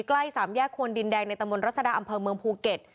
ใกล้สามแยกควนดินแดงในตะมนตรัศดาอำเภอเมืองภูเก็ต